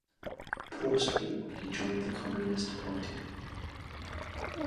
Post-war, he joined the Communist Party.